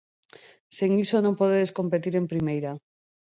Sen iso non podes competir en Primeira.